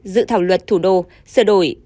dự thảo luật thủ đô sửa đổi